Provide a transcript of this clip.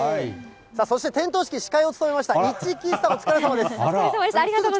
そして点灯式、司会を務めました市來さん、お疲れさまでした。